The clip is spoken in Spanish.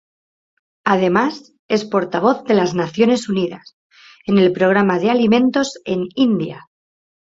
Además es portavoz de las Naciones Unidas en el programa de alimentos en India.